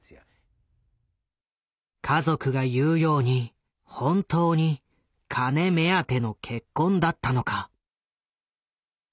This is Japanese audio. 家族が言うように本当に金目当ての結婚だったのか。